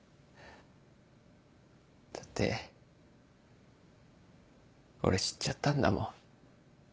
だって俺知っちゃったんだもん。